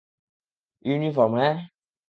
Uniform, হ্যাঁ?